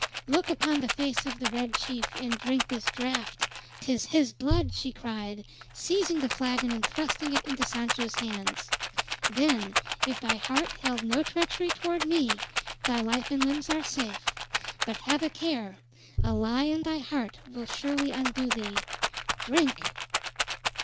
"Look upon the face of the Red Chief, and drink this draft 'tis his blood!" she cried, seizing the flagon and thrusting it into Sancho's hands. "Then, if thy heart held no treachery toward me, thy life and limbs are safe. But have a care! A lie in thy heart will surely undo thee. Drink!"